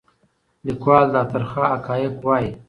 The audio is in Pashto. لیکوال دا ترخه حقایق وایي.